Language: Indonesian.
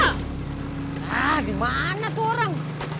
hah di mana tuh orang